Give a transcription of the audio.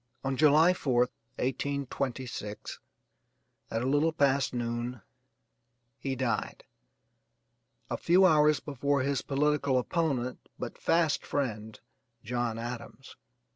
On July 4th, 1826, at a little past noon, he died, a few hours before his political opponent, but fast friend, John Adams.